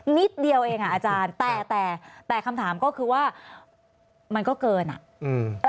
นิดเดียวเองอ่ะอาจารย์แต่แต่คำถามก็คือว่ามันก็เกินอ่ะอืม